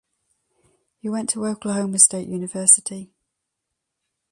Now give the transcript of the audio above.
He went to Oklahoma State University.